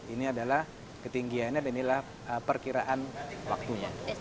ini adalah ketinggiannya dan inilah perkiraan waktunya